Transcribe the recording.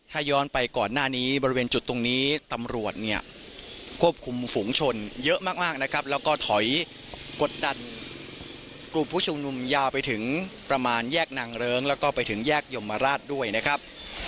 ถ้าย้อนไปก่อนหน้านี้บริเวณจุดตรงนี้ตำรวจเนี่ยควบคุมฝุงชนเยอะมากนะครับแล้วก็ถอยกดดันกลุ่มผู้ชุมนุมยาวไปถึงประมาณแยกนางเริ้งแล้วก็ไปถึงแยกยมราชด้วยนะครับ